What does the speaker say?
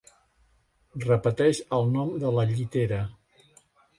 Repeteix el nom de la llitera.